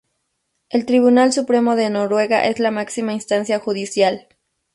El Tribunal Supremo de Noruega es la máxima instancia judicial.